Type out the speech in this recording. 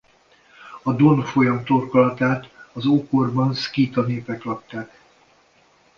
A Don folyam torkolatát az ókorban szkíta népek lakták.